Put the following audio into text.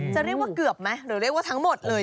จะเรียกว่าเกือบไหมหรือเรียกว่าทั้งหมดเลย